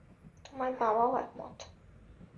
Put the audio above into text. তোমার বাবাও একমত।